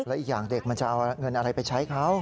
และอีกอย่างเด็กมันจะเอาเงินอะไรไปใช้เขา